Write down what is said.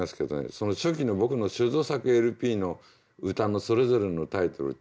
その初期の僕の処女作ＬＰの歌のそれぞれのタイトルってね